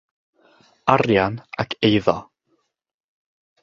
arian ac eiddo.